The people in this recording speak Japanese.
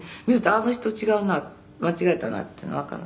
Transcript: あっあの人違うな間違えたなっていうのわかる」